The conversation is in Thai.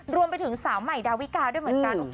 รวมไปถึงสาวใหม่ดาวิกาด้วยเหมือนกัน